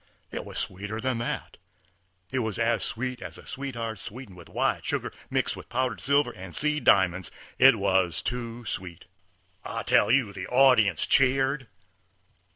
It was sweeter than that. It was as sweet as a sweet heart sweetened with white sugar mixed with powdered silver and seed diamonds. It was too sweet. I tell you the audience cheered.